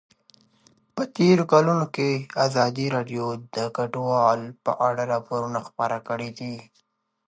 په تېرو کلونو کې ازادي راډیو د کډوال په اړه راپورونه خپاره کړي دي.